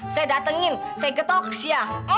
saya datengin saya getok sia